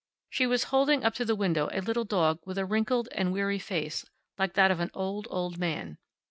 She was holding up to the window a little dog with a wrinkled and weary face, like that of an old, old man.